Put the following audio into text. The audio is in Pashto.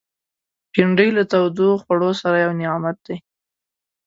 بېنډۍ له تودو خوړو سره یو نعمت دی